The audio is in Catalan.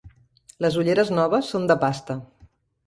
Les ulleres noves són de pasta.